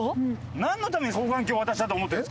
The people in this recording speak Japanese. なんのために双眼鏡渡したと思ってるんですか？